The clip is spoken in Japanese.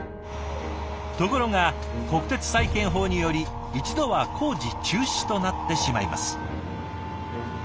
ところが国鉄再建法により一度は工事中止となってしまいます。